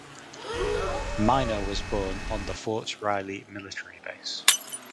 Minor was born on the Fort Riley military base.